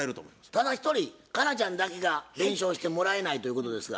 ただ一人佳奈ちゃんだけが弁償してもらえないということですが？